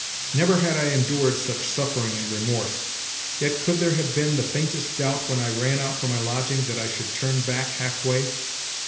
Never had I endured such suffering and remorse, yet could there have been the faintest doubt when I ran out from my lodging that I should turn back half way